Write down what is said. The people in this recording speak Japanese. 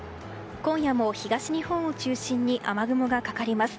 今夜も東日本を中心に雨雲がかかります。